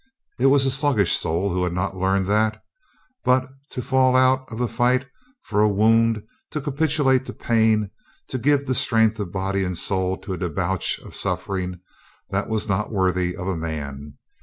It was a sluggish soul who had not learned that But to fall out of the fight for a wound; to capitulate to pain ; to g^ve the strength of body and soul to a debauch of suffering ; that was not worthy of a man.